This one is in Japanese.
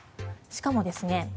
しかもですね